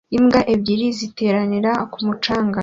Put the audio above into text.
Imbwa ebyiri ziteranira ku mucanga